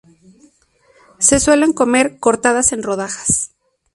Se suelen comer cortadas en rodajas.